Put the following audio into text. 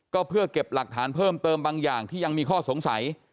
ก็เพื่อเก็บหลักฐานเพิ่มเติมบางอย่างที่ยังมีข้อสงสัย